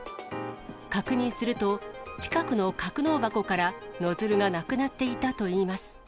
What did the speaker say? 確認すると、近くの格納箱からノズルがなくなっていたといいます。